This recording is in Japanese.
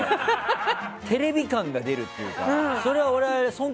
テレビ感が出るというか。